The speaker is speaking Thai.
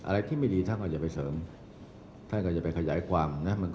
อะไรที่ไม่ดีท่านก็จะไปเสริมท่านก็จะไปขยายความนะ